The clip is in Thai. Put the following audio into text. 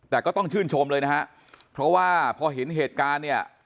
แต่ก็ต้องชื่นชมเลยนะฮะเพราะว่าพอเห็นเหตุการณ์เนี่ย